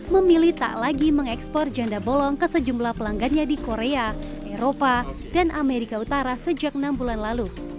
memilih tak lagi mengekspor janda bolong ke sejumlah pelanggannya di korea eropa dan amerika utara sejak enam bulan lalu